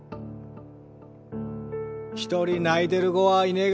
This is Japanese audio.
一人泣いてる子はいねが。